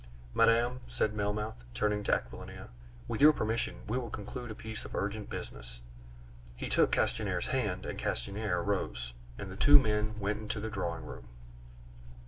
"Madame," said Melmoth, turning to Aquilina, "with your permission, we will conclude a piece of urgent business." He took Castanier's hand, and Castanier rose, and the two men went into the drawing room.